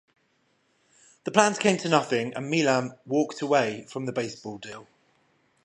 The plans came to nothing and Milam "walked away" from the baseball deal.